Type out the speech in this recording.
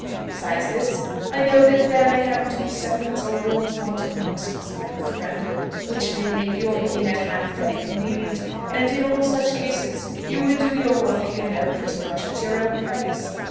Besides this, I know that there may happen to be settlements or wills wanting amongst us, my good friend, which may make your being at hand very convenient; and, in all such cases, you would do your work, you know, pretty much at your own price.